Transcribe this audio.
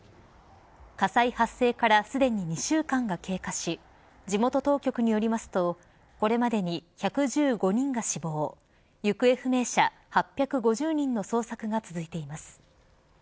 火災発生からすでに２週間が経過し地元当局によりますとこれまでに１１５人が死亡行方不明者８５０人の捜索が続いています。